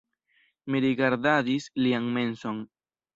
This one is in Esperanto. Mi rigardadis lian menson.